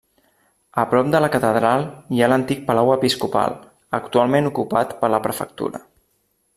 A prop de la catedral hi ha l'antic palau episcopal, actualment ocupat per la prefectura.